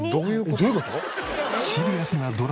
どういう事！？